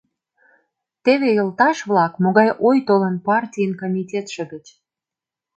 Теве, йолташ-влак, могай ой толын партийын комитетше гыч.